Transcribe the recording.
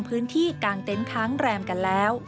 พื้นที่กลางเต้นค้างแรมกันแล้ว